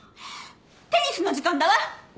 テニスの時間だわ！